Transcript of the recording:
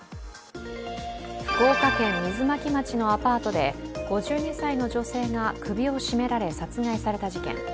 福岡県水巻町のアパートで５２歳の女性が首を絞められ殺害された事件。